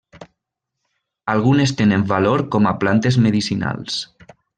Algunes tenen valor com a plantes medicinals.